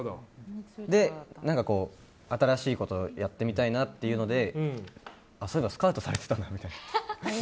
で、新しいことやってみたいなっていうのでそういえばスカウトされてたんだと思って。